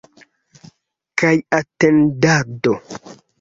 Kaj atendado.